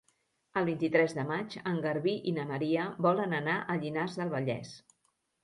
El vint-i-tres de maig en Garbí i na Maria volen anar a Llinars del Vallès.